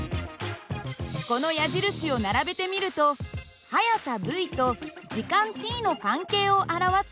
この矢印を並べてみると速さυと時間ｔの関係を表すグラフになります。